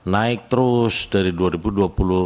naik terus dari dua ribu dua puluh sampai dengan dua ribu dua puluh